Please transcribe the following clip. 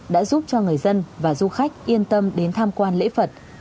đã giúp cho người dân và du khách yên tâm đến tham quan lễ phật